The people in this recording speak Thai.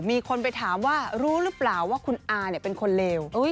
มีคนไปถามว่ารู้หรือเปล่าว่าคุณอาเป็นคนเลว